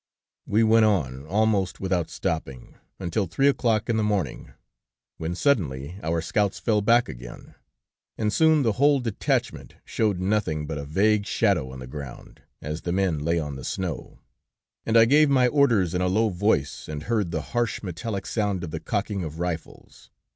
'" "We went on, almost without stopping, until three o'clock in the morning, when suddenly our scouts fell back again, and soon the whole detachment showed nothing but a vague shadow on the ground, as the men lay on the snow, and I gave my orders in a low voice, and heard the harsh, metallic sound of the cocking of rifles.